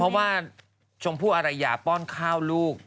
เพราะว่าชมพู่อารยาป้อนข้าวลูก